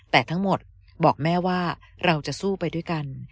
แต่ทั้งหมดบอกแม่ว่าเราจะสู้ไปด้วยกัน